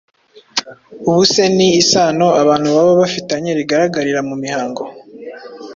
Ubuse ni isano abantu baba bafitanye rigaragarira mu mihango